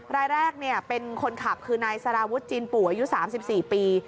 รายแรกเป็นคนขับคือนายสารวุฒิจีนปู่อายุ๓๔ปี